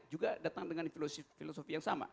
juga datang dengan filosofi yang sama